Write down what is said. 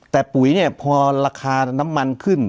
แต่ปุ๋ยเนี่ยพอราคาน้ำมันขึ้น